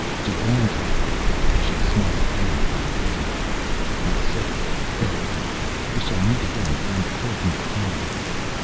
To Dandtan," she smiled down upon the prisoner, "I say farewell. We shall meet again beyond the Curtain of Time."